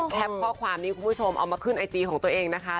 ข้อความนี้คุณผู้ชมเอามาขึ้นไอจีของตัวเองนะคะ